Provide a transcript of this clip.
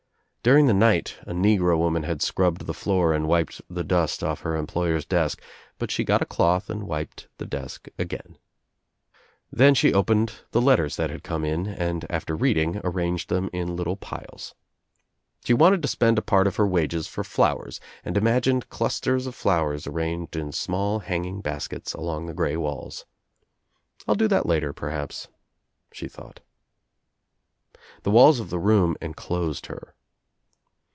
During the night a negro woman had scrubbed the floor and wiped the dust off her employer's desk but she got a cloth and wiped the desk again. Then she opened the letters that had come in and after reading arranged them in little piles. She wanted to spend a part of her wages for flowers and imagined clusters of flowers arranged in small hanging baskets along the grey walls. "I'll do that later, perhaps," she thought, The walls of the room enclosed her.